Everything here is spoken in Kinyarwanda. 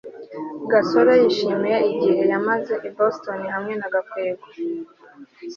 gasore yishimiye igihe yamaze i boston hamwe na gakwego